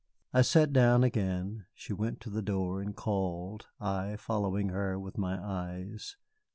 I sat down again. She went to the door and called, I following her with my eyes.